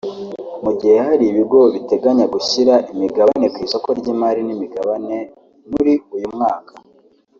Mu gihe hari ibigo biteganya gushyira imigabane ku isoko ry’imari n’imigabane muri uyu mwaka